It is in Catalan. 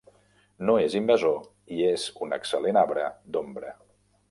No és invasor i és un excel·lent arbre d'ombra.